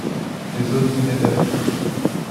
Les autres venaient d'Afrique.